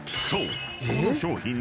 そう。